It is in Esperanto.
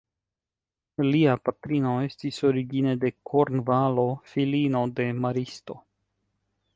Lia patrino estis origine de Kornvalo, filino de maristo.